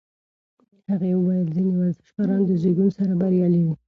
هغې وویل ځینې ورزشکاران د زېږون سره بریالي وي.